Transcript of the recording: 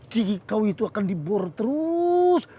gigi kau itu akan dibur terus